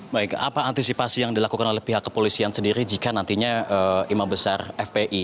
baik apa antisipasi yang dilakukan oleh pihak kepolisian sendiri jika nantinya imam besar fpi